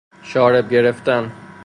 شارب گرفتن